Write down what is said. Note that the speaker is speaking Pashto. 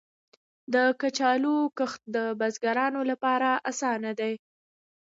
د کچالو کښت د بزګرانو لپاره اسانه دی.